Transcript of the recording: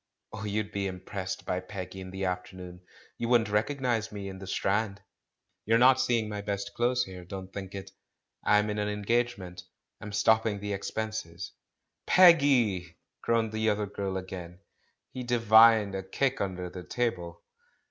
Oh, you'd be impressed by Peggy in the afternoon; you wouldn't recognise me dn tlip Strand. You're not seeing my best clothes here, don't think it — I'm in an engagement, I'm stop ping the expenses!" "Peggy!" groaned the other girl again. He divined a kick under the table.